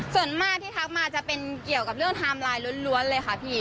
ส่วนมากที่ทักมาจะเป็นเกี่ยวกับเรื่องไทม์ไลน์ล้วนเลยค่ะพี่